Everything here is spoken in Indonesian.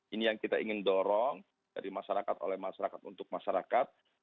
ini yang kita ingin dorong dari masyarakat oleh masyarakat untuk masyarakat